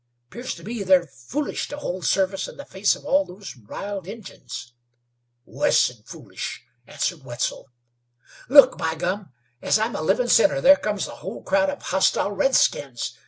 'Pears to me they're foolish to hold service in the face of all those riled Injuns." "Wuss'n foolish," answered Wetzel. "Look! By gum! As I'm a livin' sinner there comes the whole crowd of hostile redskins.